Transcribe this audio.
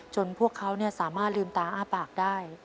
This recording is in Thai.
พวกเขาสามารถลืมตาอ้าปากได้